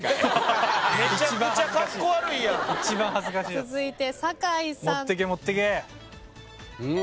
続いて酒井さん。